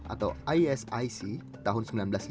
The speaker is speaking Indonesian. atau isic tahun seribu sembilan ratus lima puluh delapan